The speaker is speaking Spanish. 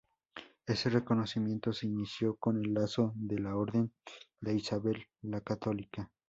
Ese reconocimiento se inició con el Lazo de la Orden de Isabel la Católica.